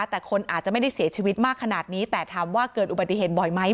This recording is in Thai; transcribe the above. แต่คนอาจจะไม่ได้เสียชีวิตมากขนาดนี้แต่ถามว่าเกิดอุบัติเหตุบ่อยไหม